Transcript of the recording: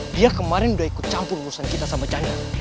dia kemarin udah ikut campur urusan kita sama canda